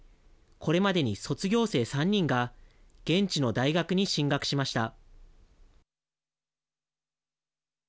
これまでに卒業生３人が現地の大学に進学しました。